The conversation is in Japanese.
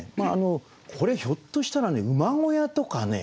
これひょっとしたら馬小屋とかね